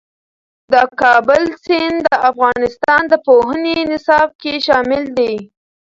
د کابل سیند د افغانستان د پوهنې نصاب کې شامل دي.